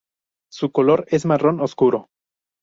Su color es marrón oscuro.